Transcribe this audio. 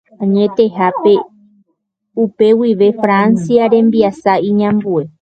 Añetehápe upe guive Francia rembiasa iñambue.